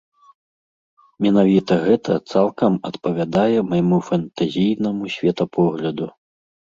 Менавіта гэта цалкам адпавядае майму фэнтэзійнаму светапогляду.